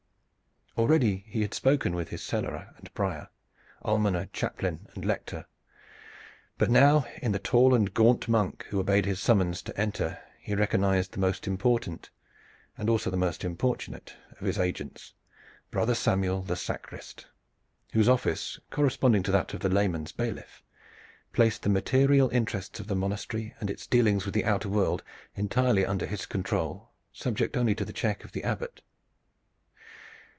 Already he had spoken with his cellarer and prior, almoner, chaplain and lector, but now in the tall and gaunt monk who obeyed his summons to enter he recognized the most important and also the most importunate of his agents, Brother Samuel the sacrist, whose office, corresponding to that of the layman's bailiff, placed the material interests of the monastery and its dealings with the outer world entirely under his control, subject only to the check of the Abbot.